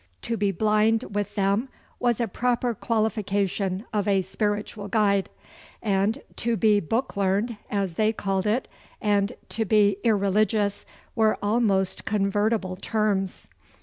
To be blind with them was a proper qualification of a spiritual guide, and to be book learned, as they called it, and to be irreligious, were almost convertible terms.